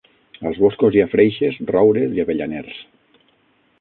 Als boscos hi ha freixes, roures i avellaners.